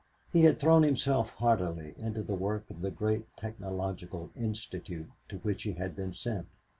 He had thrown himself heartily into the work of the great technological institute to which he had been sent.